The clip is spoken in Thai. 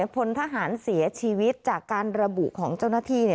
พลทหารเสียชีวิตจากการระบุของเจ้าหน้าที่